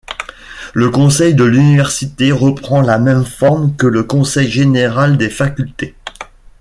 Le conseil de l'université reprend la même forme que le conseil général des facultés.